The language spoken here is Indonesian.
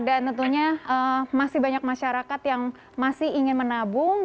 dan tentunya masih banyak masyarakat yang masih ingin menabung